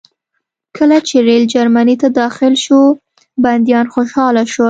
کله چې ریل جرمني ته داخل شو بندیان خوشحاله شول